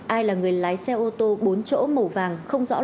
ai là người lái xe ô tô bốn chỗ màu vàng không rõ